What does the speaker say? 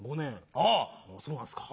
あぁそうなんすか。